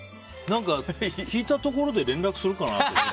聞いたところで連絡するかなと思って。